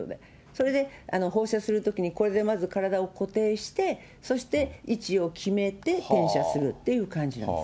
それで放射するときに、これで先ず体を固定して、そして位置を決めててんしゃするっていう感じなんです。